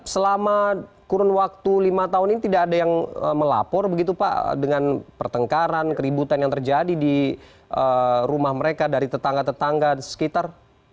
selama kurun waktu lima tahun ini tidak ada yang melapor begitu pak dengan pertengkaran keributan yang terjadi di rumah mereka dari tetangga tetangga sekitar